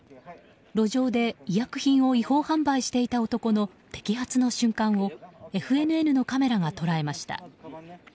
路上で医薬品を違法販売していた男の摘発の瞬間をＦＮＮのカメラが捉えました。